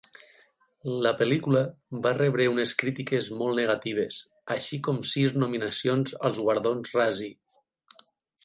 La pel·lícula va rebre unes crítiques molt negatives, així com sis nominacions als guardons Razzie.